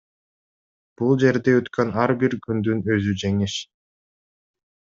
Бул жерде өткөн ар бир күндүн өзү жеңиш.